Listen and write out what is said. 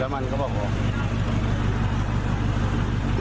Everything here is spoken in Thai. แล้วมันก็บอกว่า